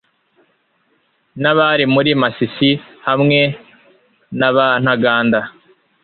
n'abari muri Masisi hamwe na ba Ntaganda